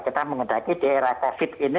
kita mengendaki di era covid ini